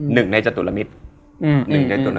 หนึ่งในจตุลมิตร